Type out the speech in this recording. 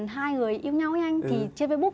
hai người yêu nhau nha anh thì trên facebook